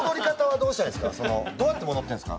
どうやって戻ってんですか？